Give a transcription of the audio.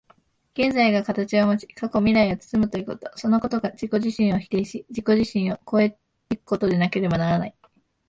現在が形をもち、過去未来を包むということ、そのことが自己自身を否定し、自己自身を越え行くことでなければならない。